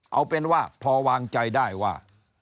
เอาเป็นว่าพอวางใจได้ว่า